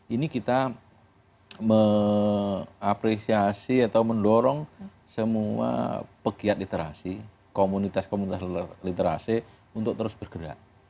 ini kita mengapresiasi atau mendorong semua pegiat literasi komunitas komunitas literasi untuk terus bergerak